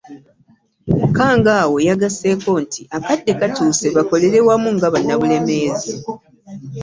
Kkangaawo yagasseeko nti akadde katuuse bakolere wamu nga bannabulemeezi.